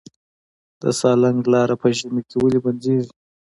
د سالنګ لاره په ژمي کې ولې بندیږي؟